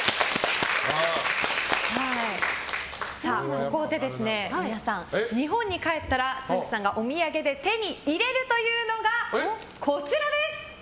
ここで、皆さん日本に帰ったらつんく♂さんがお土産で手に入れるというのがこちらです！